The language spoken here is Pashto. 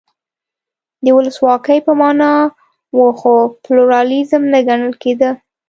دا د ولسواکۍ په معنا و خو پلورالېزم نه ګڼل کېده.